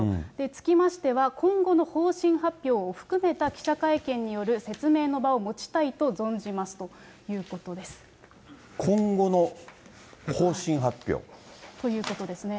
つきましては、今後の方針発表を含めた記者会見による説明の場を持ちたいと存じ今後の方針発表。ということですね。